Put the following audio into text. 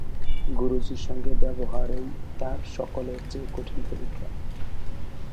গুরুজির সঙ্গে ব্যবহারেই তার সকলের চেয়ে কঠিন পরীক্ষা।